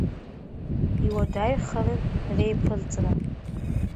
Иуадаҩхарын реиԥырҵра.